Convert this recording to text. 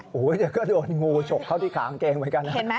โอ้โหเดี๋ยวก็โดนงูฉกเข้าที่ขากางเกงเหมือนกันนะ